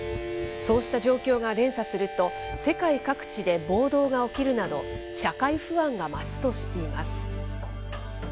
そうした状況が連鎖すると、世界各地で暴動が起きるなど、社会不安が増すとしています。